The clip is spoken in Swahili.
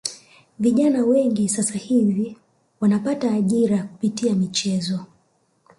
Vijana wengi sasa hivi wanapata ajira kupitia michezo